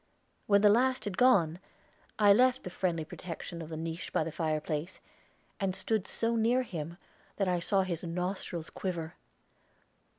When the last had gone, I left the friendly protection of the niche by the fire place, and stood so near him that I saw his nostrils quiver!